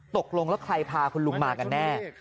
ตกลงแล้วใครพาคุณลุงมากันแน่